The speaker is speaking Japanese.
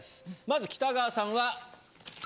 まず北川さんは。